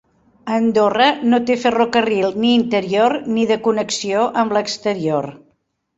Andorra no té ferrocarril ni interior ni de connexió amb l'exterior.